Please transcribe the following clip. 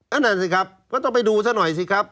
นั่นแหละสิครับก็ต้องไปดูซะหน่อยสิครับ